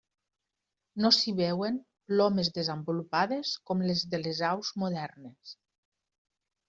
No s'hi veuen plomes desenvolupades com les de les aus modernes.